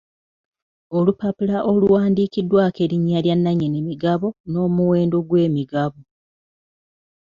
Olupapula oluwandiikiddwako erinnya lya nannyini migabo n'omuwendo gw'emigabo.